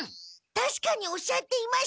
たしかにおっしゃっていました。